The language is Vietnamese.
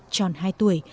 tròn hai tuổi